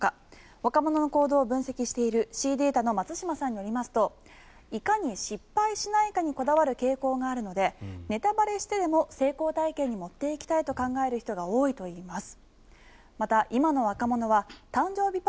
若者の行動を分析しているＳＥＥＤＡＴＡの牧島さんによるといかに失敗しないかにこだわる傾向があるのでネタバレしてでも成功体験に持っていきたいと考える人が多いといいます。